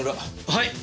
はい！